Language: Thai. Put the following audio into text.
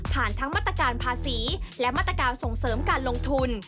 ทั้งมาตรการภาษีและมาตรการส่งเสริมการลงทุน